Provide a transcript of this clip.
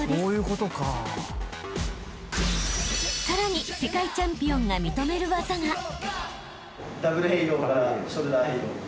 ［さらに世界チャンピオンが認める技が］